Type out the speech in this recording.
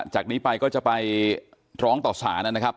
จากนี้ไปก็จะไปร้องต่อสารนะครับ